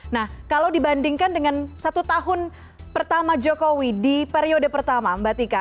nah kalau dibandingkan dengan satu tahun pertama jokowi di periode pertama mbak tika